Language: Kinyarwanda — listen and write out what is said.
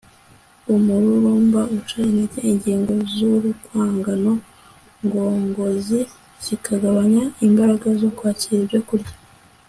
umururumba uca intege ingingo z'urwungano ngogozi, zikagabanya imbaraga zo kwakira ibyokurya